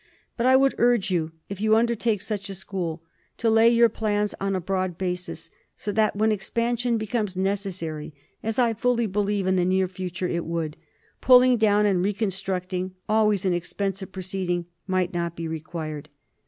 But I would urge you, if you undertake such a school, to lay your plans on a broad basis, so that when expansion becomes necessary — as I fully believe in the near future it would — pulling down and reconstruct^ ing, always an expensive proceeding, might not be re quired.